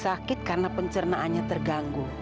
sakit karena pencernaannya terganggu